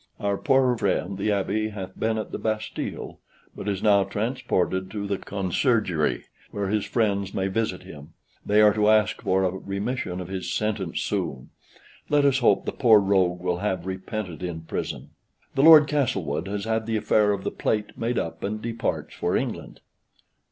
"Our poor friend the Abbe hath been at the Bastile, but is now transported to the Conciergerie (where his friends may visit him. They are to ask for) a remission of his sentence soon. Let us hope the poor rogue will have repented in prison. "(The Lord Castlewood) has had the affair of the plate made up, and departs for England.